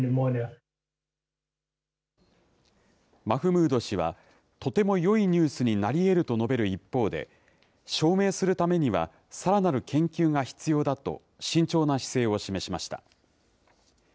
マフムード氏は、とてもよいニュースになりえると述べる一方で、証明するためには、さらなる研究が必要だと慎重な姿勢を示しました。